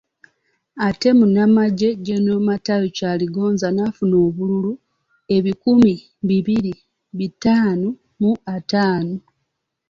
Ate Munnamaje Gen. Matayo Kyaligonza n'afuna obululu enkumi bbiri bitaano mu ataano.